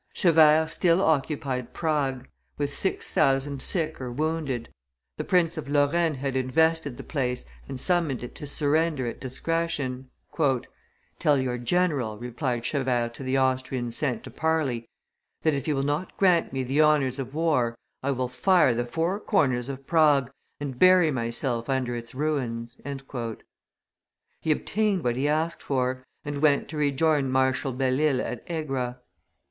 Chevert still occupied Prague, with six thousand sick or wounded; the Prince of Lorraine had invested the place and summoned it to surrender at discretion. "Tell your general;" replied Chevert to the Austrian sent to parley, "that, if he will not grant me the honors of war, I will fire the four corners of Prague, and bury myself under its ruins." He obtained what he asked for, and went to rejoin Marshal Belle Isle at Egra.